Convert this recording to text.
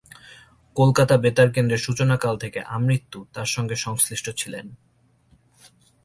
কলকাতা বেতার কেন্দ্রের সূচনাকাল থেকে আমৃত্যু তার সঙ্গে সংশ্লিষ্ট ছিলেন।